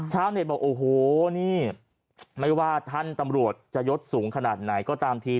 ชาวเน็ตบอกโอ้โหนี่ไม่ว่าท่านตำรวจจะยดสูงขนาดไหนก็ตามที